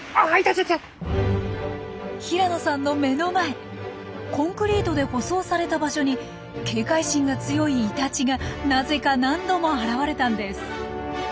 平野さんの目の前コンクリートで舗装された場所に警戒心が強いイタチがなぜか何度も現れたんです。